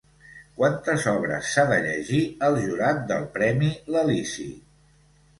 Quantes obres s'ha de llegir el jurat del premi l'Elisi?